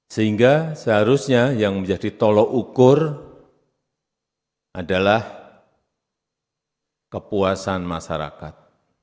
sehingga seharusnya yang menjadi tolok ukur adalah kepuasan masyarakat